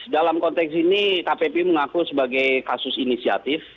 dalam konteks ini kpp mengaku sebagai kasus inisiatif